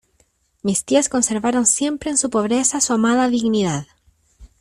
Mis tías conservaron siempre en su pobreza su amada dignidad.